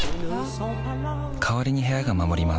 代わりに部屋が守ります